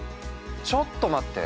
ちょっと待って。